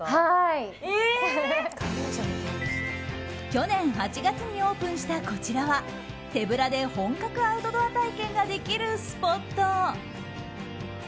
去年８月にオープンしたこちらは手ぶらで本格アウトドア体験ができるスポット。